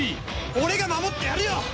俺が守ってやるよ！